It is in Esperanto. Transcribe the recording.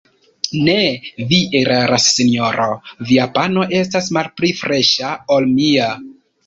Ne, vi eraras, sinjoro: via pano estas malpli freŝa, ol mia.